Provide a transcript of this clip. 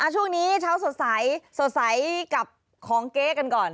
ช่วงนี้เช้าสดใสสดใสกับของเก๊กันก่อน